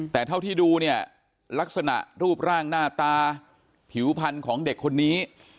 แต่เท่าที่ดูเนี่ยลักษณะรูปร่างหน้าตาผิวพันธุ์ของเด็กคนนี้